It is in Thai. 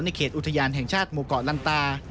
เขตอุทยานแห่งชาติหมู่เกาะลันตา